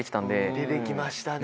出て来ましたね。